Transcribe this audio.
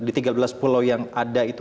di tiga belas pulau yang ada itu